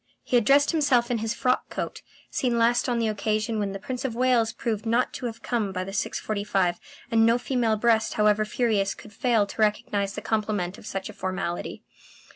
He had dressed himself in his frock coat, seen last on the occasion when the Prince of Wales proved not to have come by the 6.45, and no female breast however furious could fail to recognize the compliment of such a formality.